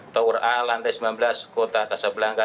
tower a lantai sembilan belas kota kasablangga